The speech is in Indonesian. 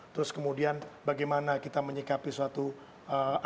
terus kemudian bagaimana kita menyikapi suatu apa